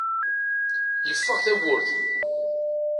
Yeffeɣ tawwurt.